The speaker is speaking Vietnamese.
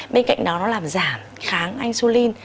bên cạnh đó nó làm giảm kháng insulin